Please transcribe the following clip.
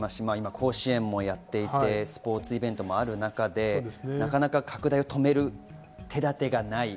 甲子園も今やっていて、スポーツイベントもある中で、なかなか拡大を止める手だてがない。